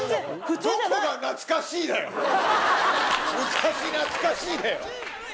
昔懐かしいだよ！